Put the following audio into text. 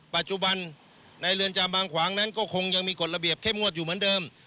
ปัจจุบันในเรือนจำบางขวางนั้นก็คงยังมีกฎระเบียบเข้มงวดอยู่เหมือนเดิม